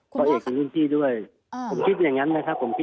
เพราะเอกคือหนึ่งที่ด้วยผมคิดอย่างนั้นนะครับ